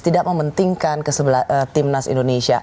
tidak mementingkan timnas indonesia